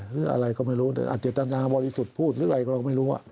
หรืออะไรก็ไม่รู้อาจจะจำนาบริสุทธิ์พูดหรืออะไรก็ไม่รู้